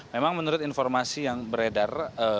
memang menurut informasi yang beredar